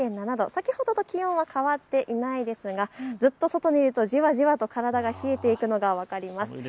先ほどと気温は変わっていないですが、ずっと外にいるとじわじわと体が冷えていくのが分かります。